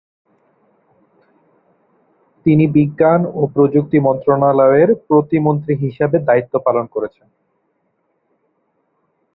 তিনি বিজ্ঞান ও প্রযুক্তি মন্ত্রণালয়ের প্রতিমন্ত্রী হিসেবে দায়িত্ব পালন করেছেন।